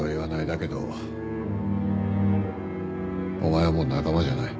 だけどお前はもう仲間じゃない。